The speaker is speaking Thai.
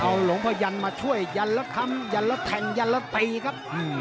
เอาหลงพ่อยันทร์มาช่วยยันทร์แล้วทำยันทร์แล้วแทงยันทร์แล้วตีครับ